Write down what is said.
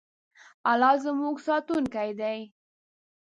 الله زموږ ساتونکی دی.